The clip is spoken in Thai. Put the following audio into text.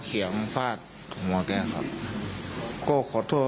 คุณต้องการรู้สิทธิ์ของเขา